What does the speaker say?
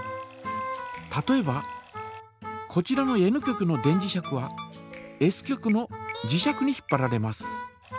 例えばこちらのＮ極の電磁石はＳ極の磁石に引っぱられます。